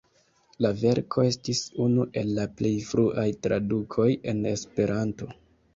La verko estis unu el la plej fruaj tradukoj en Esperanto.